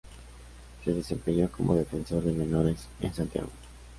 Se desempeñó como defensor de menores en Santiago.